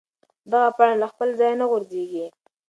دغه پاڼه له خپل ځایه نه غورځېږي.